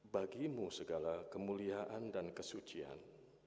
bagimu segala kemuliaan dan kesucian